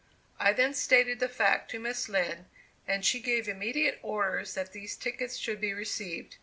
I then stated the fact to Miss Lind, and she gave immediate orders that these tickets should be received.